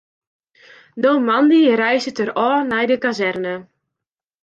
No moandei reizget er ôf nei de kazerne.